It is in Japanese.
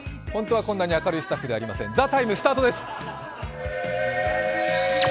本当はこんなに明るいスタッフではありません。